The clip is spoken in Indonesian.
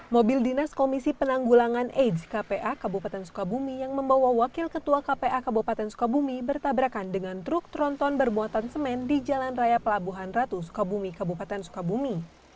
mobil dinas komisi penanggulangan aids kpa kabupaten sukabumi yang membawa wakil ketua kpa kabupaten sukabumi bertabrakan dengan truk tronton bermuatan semen di jalan raya pelabuhan ratu sukabumi kabupaten sukabumi